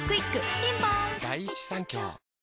ピンポーン